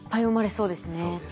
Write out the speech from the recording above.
そうですね。